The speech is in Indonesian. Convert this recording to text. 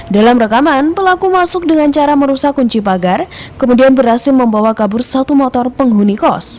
dalam rekaman pelaku masuk dengan cara merusak kunci pagar kemudian berhasil membawa kabur satu motor penghuni kos